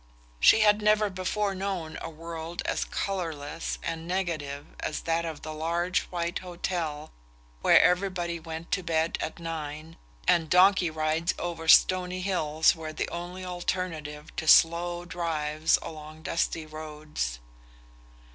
She had never before known a world as colourless and negative as that of the large white hotel where everybody went to bed at nine, and donkey rides over stony hills were the only alternative to slow drives along dusty roads.